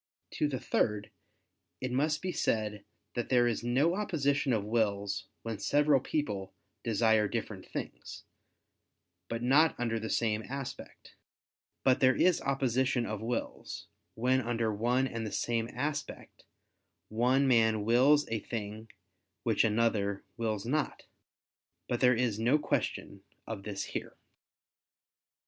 To the third, it must be said that there is no opposition of wills when several people desire different things, but not under the same aspect: but there is opposition of wills, when under one and the same aspect, one man wills a thing which another wills not. But there is no question of this here.